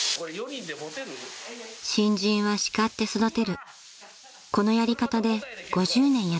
［新人は叱って育てるこのやり方で５０年やってきました］